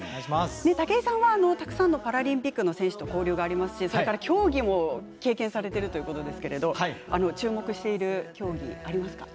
武井さんはたくさんのパラリンピックの選手と交流がありますし競技も経験しているということですが注目している競技ありますか？